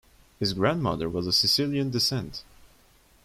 His grandmother was of Sicilian descent.